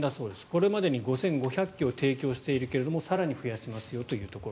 これまでに５５００基を提供しているけれど更に増やしますよと。